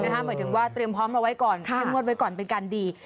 หมายถึงว่าเตรียมพร้อมเอาไว้ก่อนเข้มงวดไว้ก่อนเป็นการดี